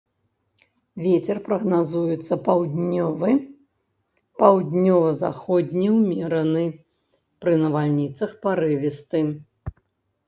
Вецер прагназуецца паўднёвы, паўднёва-заходні ўмераны, пры навальніцах парывісты.